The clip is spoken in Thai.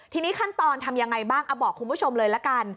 ทีนี้ขั้นตอนทำยังไงบ้างบอกคุณผู้ชมเลยละกัน